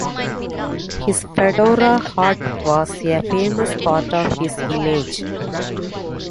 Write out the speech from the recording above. His fedora hat was a famous part of his image.